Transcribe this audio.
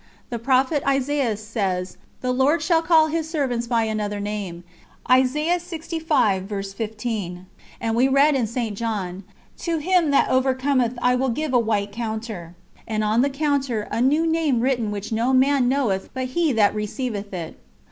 The Prophet Isaias tells us: "The Lord shall call His servants by another name," and we read in St. John: "To him that overcometh I will give a white counter, and on the counter a new name written which no man knoweth but he that receiveth it."